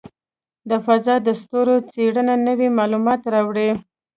د فضاء د ستورو څېړنه نوې معلومات راوړي.